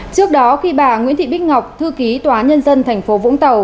trước đó khi bà nguyễn thị bích ngọc thư ký tòa nhân dân tp vũng tàu